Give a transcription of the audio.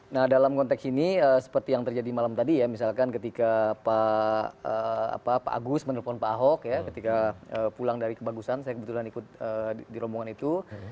nah dalam konteks ini seperti yang terjadi malam tadi ya misalkan ketika pak agus menelpon pak ahok ya ketika pulang dari kebagusan saya kebetulan ikut di rombongan itu